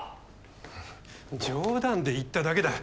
冗談で言っただけだ